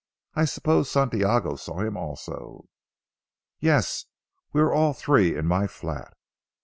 I suppose Santiago saw him also?" "Yes. We were all three in my flat."